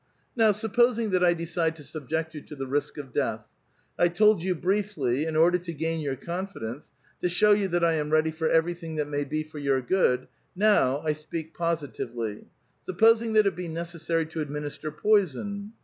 " Now supposing that I decide to subject you to the risk of death. I told you briefly*, in order to gain ^our confi dence, to show yoii that I am ready for everything that may be for your good ; now I speak positively. Supposing that it be necessary to administer poison?"